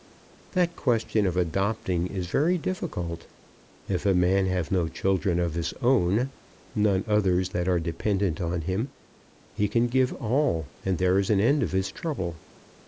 That question of adopting is very difficult. If a man have no children of his own, none others that are dependent on him, he can give all, and there is an end of his trouble.